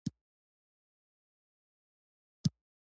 په فېسبوک کې خلک خپل کاروبارونه هم پرمخ وړي